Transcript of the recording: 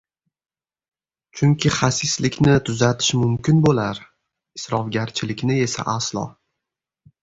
Chunki xasislikni tuzatish mumkin bo‘lar, isrofgarchilikni esa aslo.